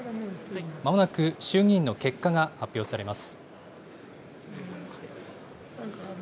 まもなく衆議院の結果が発表されます。